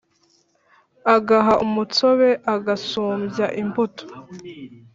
agaha umutsobe agasubya imbúto